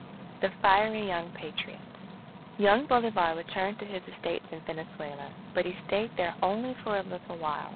THE FIERY YOUNG PATRIOT Young Bolivar returned to his estates in Venezuela. But he stayed there only for a little while.